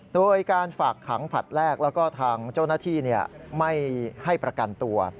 โดยการฝากขังผลัดแรกแล้วก็ทางเจ้าหน้าที่ไม่ให้ประกันตัว